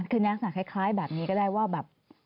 คือนี้อาจจะคล้ายแบบนี้ก็ได้ว่าแบบ